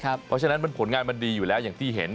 เพราะฉะนั้นผลงานมันดีอยู่แล้วอย่างที่เห็น